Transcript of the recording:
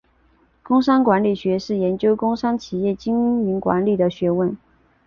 工商管理学是研究工商企业经营管理的学问。